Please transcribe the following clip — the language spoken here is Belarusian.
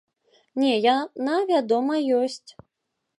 Не, яна, вядома, ёсць.